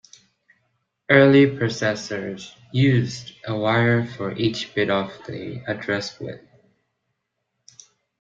Early processors used a wire for each bit of the address width.